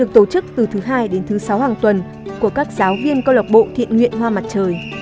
từ thứ hai đến thứ sáu hàng tuần của các giáo viên câu lạc bộ thiện nguyện hoa mặt trời